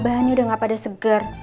bahannya udah nggak pada segar